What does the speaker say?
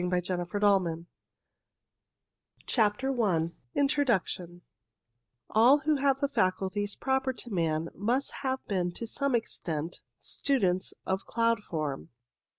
OF mwmm CLOUD STUDIES CHAPTER I INTRODUCTORY All who have the faculties proper to man must have been to some extent students of cloud form.